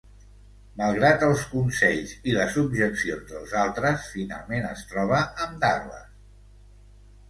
Malgrat els consells i les objeccions dels altres, finalment es troba amb Douglas.